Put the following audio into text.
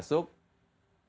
itu sudah diketahui